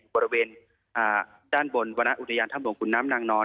บริเวณด้านบนวรรณอุทยานถ้ำหลวงขุนน้ำนางนอน